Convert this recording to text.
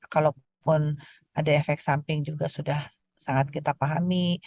kalaupun ada efek samping juga sudah sangat kita pahami